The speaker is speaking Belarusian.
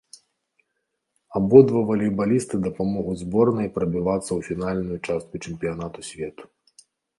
Абодва валейбалісты дапамогуць зборнай прабівацца ў фінальную частку чэмпіянату свету.